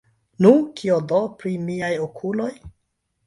Nu, kio do, pri miaj okuloj?